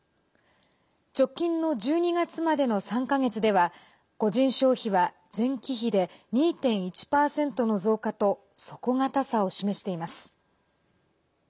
直近の１２月までの３か月では個人消費は前期比で２．１％の増加と底堅さを示しています。